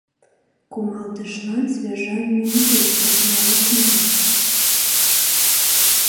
Кумалтышлан свежа мӱй деч посна ок лий.